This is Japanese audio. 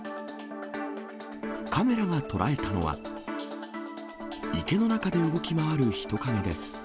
カメラが捉えたのは、池の中で動き回る人影です。